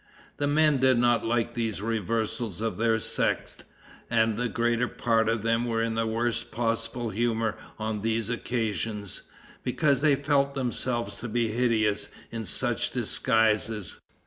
The men did not like these reversals of their sex, and the greater part of them were in the worst possible humor on these occasions, because they felt themselves to be hideous in such disguises.